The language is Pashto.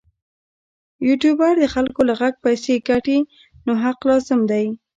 یوټوبر د خلکو له غږ پیسې ګټي نو حق لازم دی.